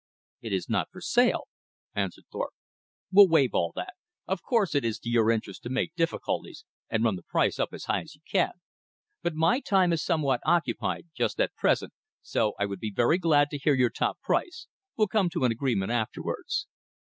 "It is not for sale," answered Thorpe. "We'll waive all that. Of course it is to your interest to make difficulties and run the price up as high as you can. But my time is somewhat occupied just at present, so I would be very glad to hear your top price we will come to an agreement afterwards."